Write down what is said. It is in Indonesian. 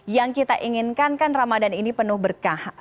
yang kita inginkan kan ramadhan ini penuh berkah